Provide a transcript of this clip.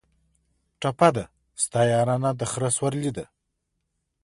ټپه ده: ستا یارانه د خره سورلي ده